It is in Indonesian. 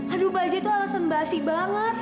aduh bajak tuh alasan basi banget